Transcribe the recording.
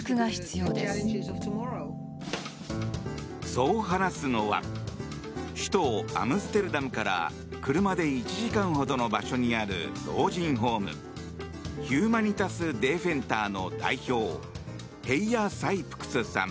そう話すのは首都アムステルダムから車で１時間ほどの場所にある老人ホームヒューマニタス・デーフェンターの代表ヘイア・サイプクスさん。